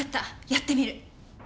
やってみる。